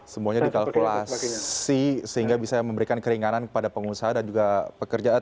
semuanya dikalkulasi sehingga bisa memberikan keringanan kepada pengusaha dan juga pekerjaan